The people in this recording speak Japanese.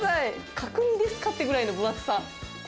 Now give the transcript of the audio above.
角煮ですかっていうくらいの分厚さ。